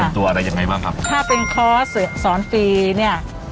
ถ้าเป็นคอร์สสอนฟรีนี่